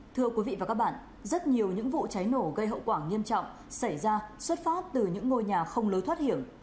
thưa quý vị và các bạn rất nhiều những vụ cháy nổ gây hậu quả nghiêm trọng xảy ra xuất phát từ những ngôi nhà không lối thoát hiểm